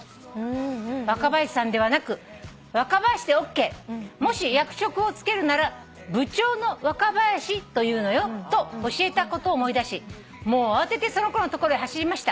「『ワカバヤシさん』ではなく『ワカバヤシ』でＯＫ」「もし役職を付けるなら『部長のワカバヤシ』と言うのよと教えたことを思い出し慌ててその子の所へ走りました」